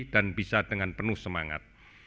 dan bisa dengan penuh semangat